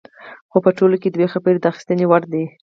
خو په ټوله کې دوه خبرې د اخیستنې وړ دي.